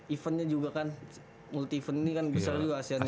eventnya juga kan multi event ini kan besar juga asian juga